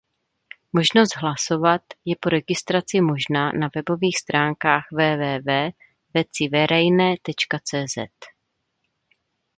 Možnost hlasovat je po registraci možná na webových stránkách www.veciverejne.cz.